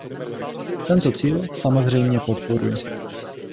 Tento cíl samozřejmě podporuji.